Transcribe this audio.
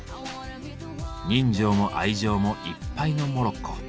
人情も愛情もいっぱいのモロッコ。